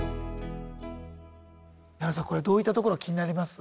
矢野さんこれどういったところが気になります？